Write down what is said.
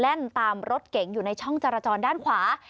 กำลังแล่นตามรถเก๋งอยู่ในช่องจราจรด้านขวา